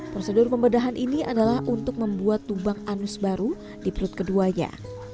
prosedur pembedahan ini adalah untuk membuat lubang anus baru di perut keduanya